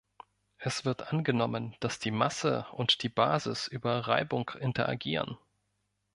Es wird angenommen, dass die Masse und die Basis über Reibung interagieren.